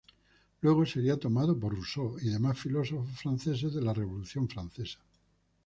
Luego sería retomado por Rousseau y demás filósofos franceses de la revolución francesa.